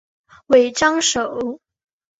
尾张守。